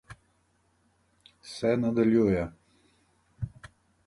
Se nadaljuje ...